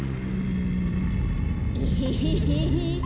エヘヘヘヘ。